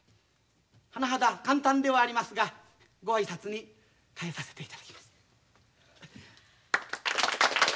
甚だ簡単ではありますがご挨拶に代えさせていただきます。